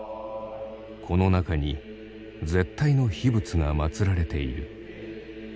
この中に絶対の秘仏が祭られている。